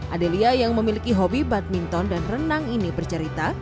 adelia yang memiliki hobi badminton dan renang ini bercerita